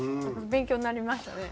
勉強になりましたね。